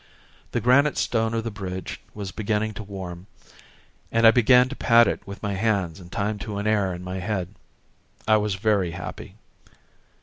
The granite stone of the bridge was beginning to be warm and I began to pat it with my hands in time to an air in my head. I was very happy.